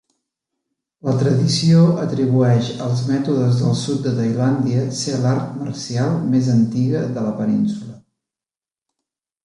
La tradició atribueix als mètodes del sud de Tailàndia ser l'art marcial més antiga de la península.